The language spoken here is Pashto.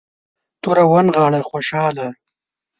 توره ونغاړه خوشحاله.